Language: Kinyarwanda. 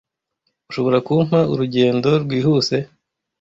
Ushobora kumpa urugendo rwihuse?